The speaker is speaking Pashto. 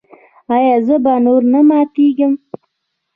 ایا زه به نور نه ماتیږم؟